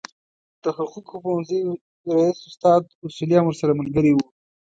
د حقوقو پوهنځي رئیس استاد اصولي هم ورسره ملګری و.